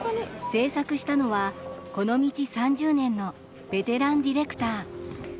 制作したのはこの道３０年のベテランディレクター。